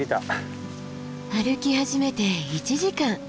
歩き始めて１時間。